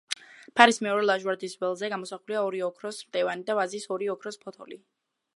ფარის მეორე ლაჟვარდის ველზე გამოსახულია ორი ოქროს მტევანი და ვაზის ორი ოქროს ფოთოლი.